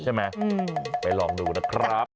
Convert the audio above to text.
ใช่ไหมไปลองดูนะครับ